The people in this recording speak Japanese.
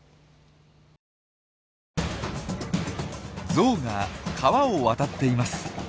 ゾウが川を渡っています。